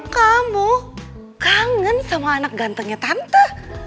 kamu kangen sama anak gantengnya tante